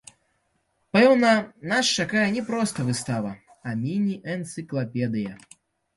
Пэўна, нас чакае не проста выстава, а міні-энцыклапедыя.